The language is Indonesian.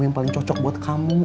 yang paling cocok buat kamu